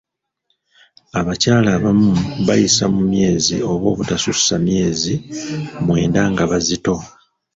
Abakyala abamu bayisa mu myezi oba obutatuusa myezi mwenda nga bazito.